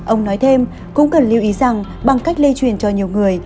ông nói thêm cũng cần lưu ý rằng bằng cách lây truyền cho nhiều người